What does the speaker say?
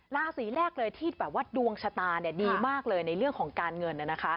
ราศีแรกเลยที่แบบว่าดวงชะตาดีมากเลยในเรื่องของการเงิน